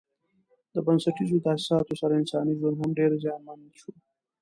د بنسټیزو تاسیساتو سره انساني ژوند هم ډېر زیانمن شو.